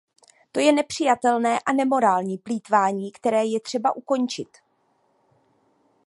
To je nepřijatelné a nemorální plýtvání, které je třeba ukončit.